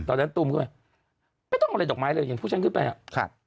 ตูมขึ้นไปไม่ต้องเอาอะไรดอกไม้เลยอย่างพวกฉันขึ้นไปอ่ะครับ